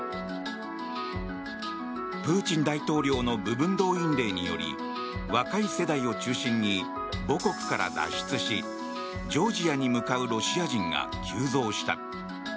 プーチン大統領の部分動員令により若い世代を中心に母国から脱出しジョージアに向かうロシア人が急増した。